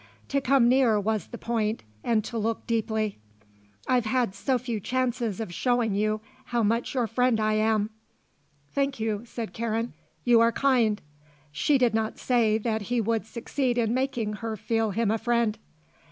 To come near was the point, and to look deeply. "I've had so few chances of showing you how much your friend I am." "Thank you," said Karen. "You are kind." She did not say that he would succeed in making her feel him a friend.